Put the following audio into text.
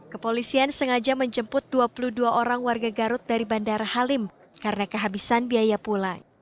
kepolisian sengaja menjemput dua puluh dua orang warga garut dari bandara halim karena kehabisan biaya pulang